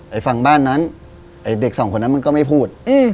ฝั่งบ้านนั้นไอ้เด็กสองคนนั้นมันก็ไม่พูด